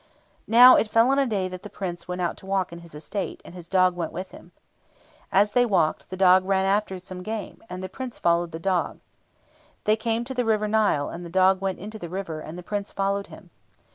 Now, it fell on a day that the Prince went out to walk in his estate, and his dog went with him. And as they walked, the dog ran after some game, and the Prince followed the dog. They came to the River Nile, and the dog went into the river, and the Prince followed him.